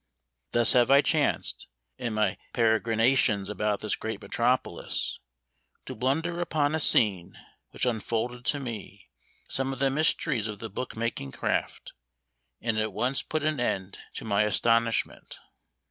Thus have I chanced, in my peregrinations about this great metropolis, to blunder upon a scene which unfolded to me some of the mysteries of the book making craft, and at once put an end to my astonishment.